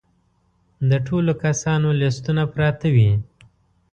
د ټولو کسانو لیستونه پراته وي.